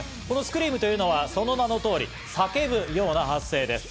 このスクリームというのはその名の通り叫ぶような発声です。